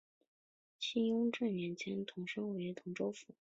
清朝雍正三年升为同州府。